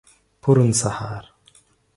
پرون سهار.